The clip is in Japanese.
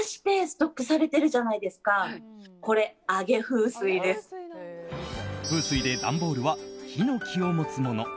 風水で、段ボールは火の気を持つもの。